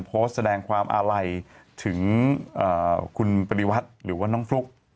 โพสต์แสดงความอาลัยถึงคุณปริวัติหรือว่าน้องฟลุ๊ก